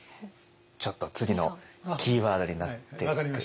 ちょっと次のキーワードになっていく。